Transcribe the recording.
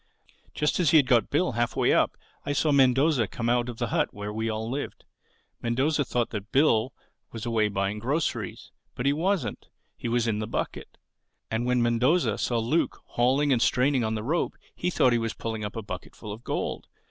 Just as he had got Bill halfway up I saw Mendoza come out of the hut where we all lived. Mendoza thought that Bill was away buying groceries. But he wasn't: he was in the bucket. And when Mendoza saw Luke hauling and straining on the rope he thought he was pulling up a bucketful of gold.